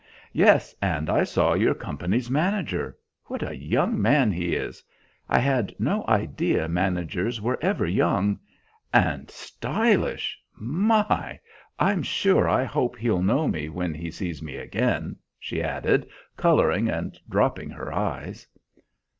"Yes; and I saw your company's manager. What a young man he is! I had no idea managers were ever young. And stylish my! I'm sure I hope he'll know me when he sees me again," she added, coloring and dropping her eyes.